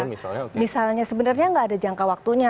iya misalnya sebenarnya gak ada jangka waktunya